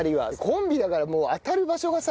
コンビだから当たる場所がさ